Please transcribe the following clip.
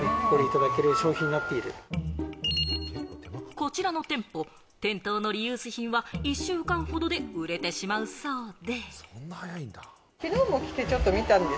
こちらの店舗、店頭のリユース品は１週間ほどで売れてしまうそうで。